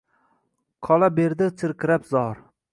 Qola berdi chirqirab zor